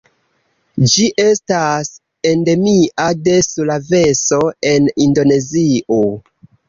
Ĝi estas endemia de Sulaveso en Indonezio.